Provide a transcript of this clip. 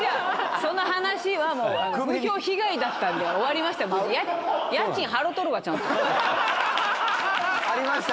その話はもう、風評被害だったんで、終わりました。